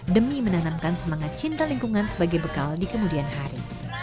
dan menanamkan semangat cinta lingkungan sebagai bekal di kemudian hari